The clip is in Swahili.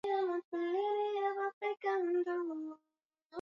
mmoja haswa katika miji midogo Wanasaidia katika